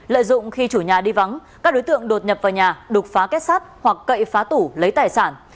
lợi dụng khi chủ nhà đi vắng các đối tượng đột nhập vào nhà đục phá kết sắt hoặc cậy phá tủ lấy tài sản